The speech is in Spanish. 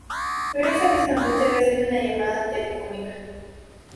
Pero esa misma noche recibe una llamada telefónica.